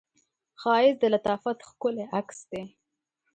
ښایست د لطافت ښکلی عکس دی